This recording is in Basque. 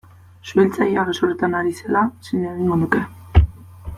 Suhiltzailea gezurretan ari zela zin egingo nuke.